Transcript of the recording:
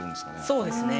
そうですね。